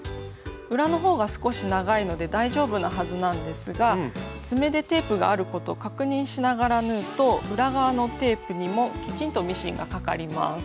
裏の方が少し長いので大丈夫なはずなんですが爪でテープがあることを確認しながら縫うと裏側のテープにもきちんとミシンがかかります。